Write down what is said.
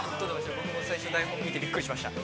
◆僕も内容見てびっくりしました。